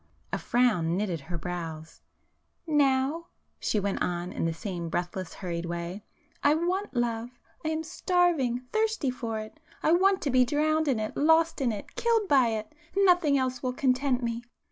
A frown knitted her brows. "Now"—she went on in the same breathless hurried way—"I want love! I am starving, thirsting for it! I want to be drowned in it, lost in it, killed by it! Nothing else will content me!"